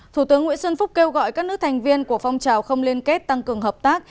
thủ tướng nguyễn xuân phúc kêu gọi các nước thành viên của phong trào không liên kết tăng cường hợp tác